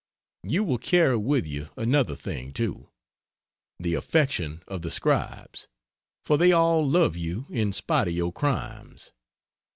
You will carry with you another thing, too the affection of the scribes; for they all love you in spite of your crimes.